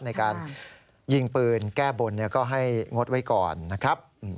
ในการยิงปืนแก้บนก็ให้งดไว้ก่อนนะครับ